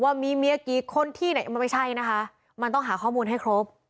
ว่ามีเมียกี่คนที่ไหนมันไม่ใช่นะคะมันต้องหาข้อมูลให้ครบ